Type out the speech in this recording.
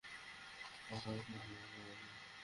অতো সাহস আমার নাই।